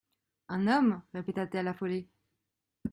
Un homme ! répéta-t-elle affolée.